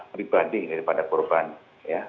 pribadi daripada korban ya